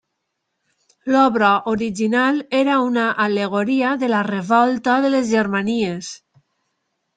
L'obra original era una al·legoria de la Revolta de les Germanies.